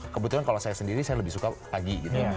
kebetulan kalau saya sendiri saya lebih suka pagi gitu